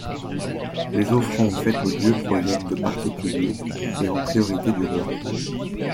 Les offrandes faites aux dieux proviennent de particuliers, et en priorité du roi.